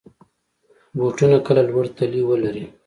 بوټونه کله لوړ تلي ولري.